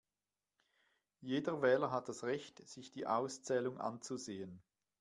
Jeder Wähler hat das Recht, sich die Auszählung anzusehen.